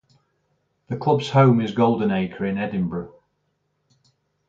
The club's home is Goldenacre in Edinburgh.